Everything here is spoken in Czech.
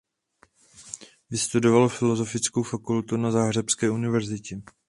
Vystudoval Filosofickou fakultu na Záhřebské univerzitě.